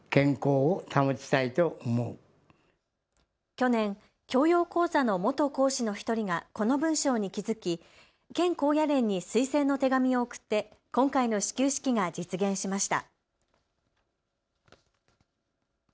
去年、教養講座の元講師の１人がこの文章に気付き県高野連に推薦の手紙を送って今回の始球式が実現しました。